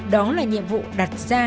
đó là nhiệm vụ đặt ra